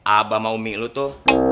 abah sama umi lu tuh